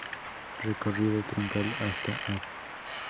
Recorrido Troncal hasta Av.